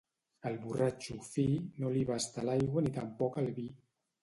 Al borratxo fi, no li basta l'aigua ni tampoc el vi.